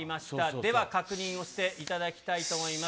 では、確認をしていただきたいと思います。